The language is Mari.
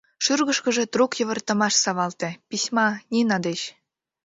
Шӱргышкыжӧ трук йывыртымаш савалте: письма — Нина деч!